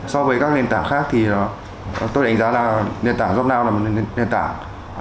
so với các nền tảng khác thì tôi đánh giá là nền tảng jobnow là một nền tảng